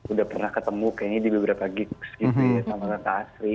udah pernah ketemu kayaknya di beberapa gigs gitu ya sama tante asri